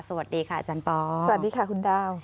สวัสดีค่ะอาจารย์ปอสวัสดีค่ะคุณดาว